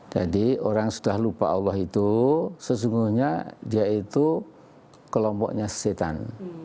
jadi orang sudah lupa allah itu sesungguhnya dia itu kelompoknya setan